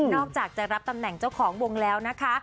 อกจากจะรับตำแหน่งเจ้าของวงแล้วนะคะ